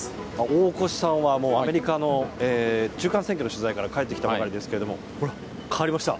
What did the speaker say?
大越さんはアメリカの中間選挙の取材から帰ってきたばかりですがほら、変わりました。